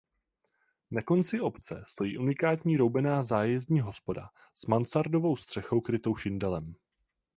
Na konci obce stojí unikátní roubená zájezdní hospoda s mansardovou střechou krytou šindelem.